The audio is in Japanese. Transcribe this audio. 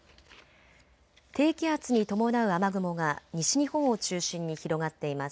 低気圧に伴う雨雲が西日本を中心に広がっています。